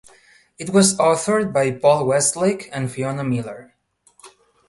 It was authored by Paul Westlake and Fiona Miller.